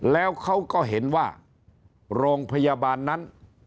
แล้วเขาก็เห็นว่าโรงพยาบาลนั้น